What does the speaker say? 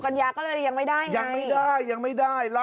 แล้วคุณสุกัญญาก็เลยยังไม่ได้ไง